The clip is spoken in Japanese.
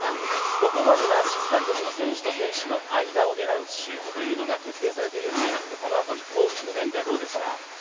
ここまではしっかり選手と選手の間を狙うシュートというのが徹底されてるように見えますがこの辺り攻撃の面ではどうですか。